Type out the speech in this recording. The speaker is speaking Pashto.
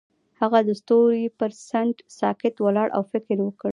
هغه د ستوري پر څنډه ساکت ولاړ او فکر وکړ.